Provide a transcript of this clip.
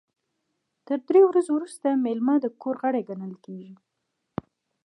تر دریو ورځو وروسته میلمه د کور غړی ګڼل کیږي.